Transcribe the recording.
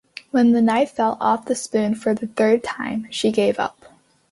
When the knife fell off the spoon for the third time, she gave up